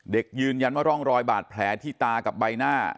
ยืนยันว่าร่องรอยบาดแผลที่ตากับใบหน้า